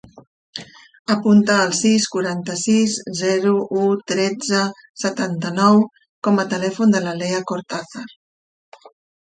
Apunta el sis, quaranta-sis, zero, u, tretze, setanta-nou com a telèfon de la Lea Cortazar.